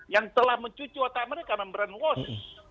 yang telah mencucu otak mereka dengan brand wash